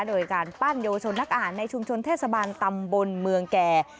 โดยการปั้นเยาวชนนักอาหารในชุมชนเทศบาลตำบลเมืองแก่